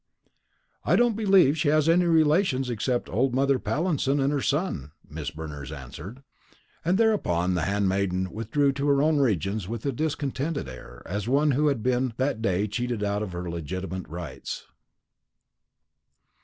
"I don't believe she has any relations, except old Mother Pallinson and her son," Miss Berners answered. And thereupon the handmaiden withdrew to her own regions with a discontented air, as one who had been that day cheated out of her legitimate rights.